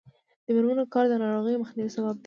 د میرمنو کار د ناروغیو مخنیوي سبب دی.